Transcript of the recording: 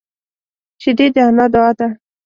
شیدې د انا دعا ده